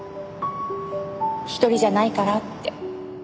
一人じゃないからって。